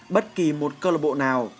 bất kỳ một cơ lợi bộ nào